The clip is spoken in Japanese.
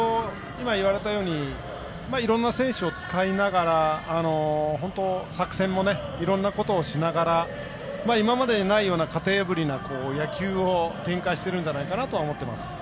今、言われたようにいろんな選手を使いながら本当に作戦もいろんなことをしながら今までにないような型破りな野球を展開しているんじゃないかなと思ってます。